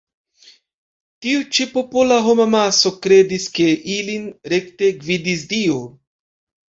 Tiu ĉi popola homamaso kredis ke ilin rekte gvidis Dio.